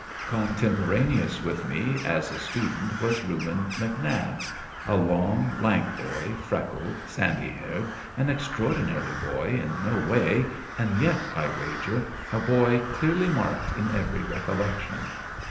Contemporaneous with me, as a student, was Reuben McNab, a long, lank boy, freckled, sandy haired an extraordinary boy in no way, and yet, I wager, a boy clearly marked in every recollection.